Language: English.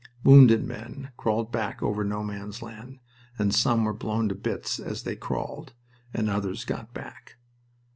Wounded men crawled back over No Man's Land, and some were blown to bits as they crawled, and others got back.